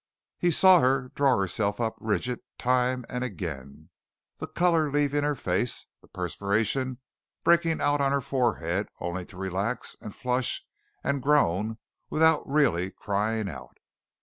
He saw her draw herself up rigid time and again, the color leaving her face, the perspiration breaking out on her forehead only to relax and flush and groan without really crying out.